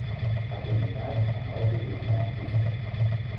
Ha combinat amb el ciclisme en pista.